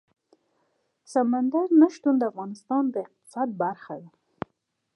سمندر نه شتون د افغانستان د اقتصاد برخه ده.